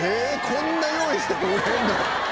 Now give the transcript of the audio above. こんな用意してくれるの？